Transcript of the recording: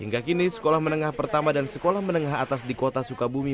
hingga kini sekolah menengah pertama dan sekolah menengah atas di kota sukabumi